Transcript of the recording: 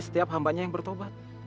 setiap hambanya yang bertobat